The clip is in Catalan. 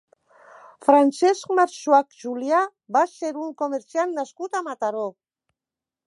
Francesc Marxuach Julià va ser un comerciant nascut a Mataró.